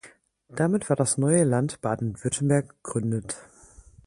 Damit war das neue Land Baden-Württemberg gegründet.